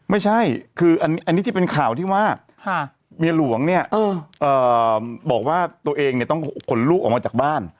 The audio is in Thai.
ไม่ใช่คืออันนี้ที่เป็นข่าวที่ว่าเมียหลวงเนี่ยบอกว่าตัวเองเนี่ยต้องขนลูกออกมาจากบ้าน